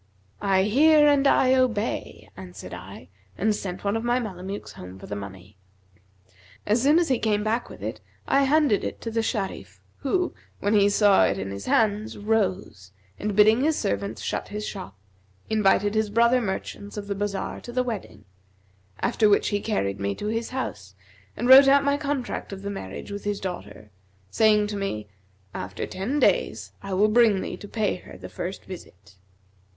'I hear and I obey,' answered I, and sent one of my Mamelukes home for the money. As soon as he came back with it, I handed it to the Sharif who, when he saw it in his hands, rose, and bidding his servants shut his shop, invited his brother merchants of the bazar the wedding; after which he carried me to his house and wrote out my contract of marriage with his daughter saying to me, 'After ten days, I will bring thee to pay her the first visit.'